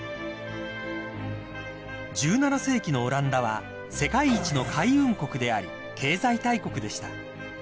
［１７世紀のオランダは世界一の海運国であり経済大国でした］